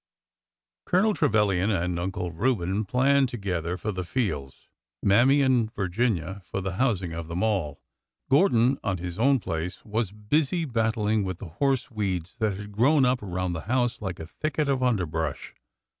Colonel Trevilian and Uncle Reuben planned together for the fields, — Mammy and Virginia for the housing of them all. Gordon, on his own place, was busy battling with the horse weeds that had grown up around the house like a thicket of underbrush.